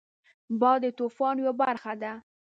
باد د طوفان یو برخه ده